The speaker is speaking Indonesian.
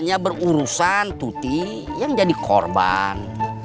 hanya berurusan tuti yang jadi korban